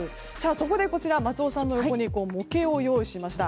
そこで、松尾さんの横に模型を用意しました。